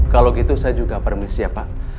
kalau gitu saya juga permisi ya pak